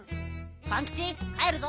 パンキチかえるぞ。